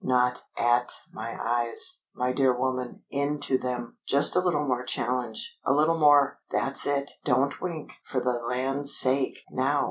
Not at my eyes, my dear woman, into them! Just a little more challenge a little more! That's it. Don't wink, for the land's sake! Now!"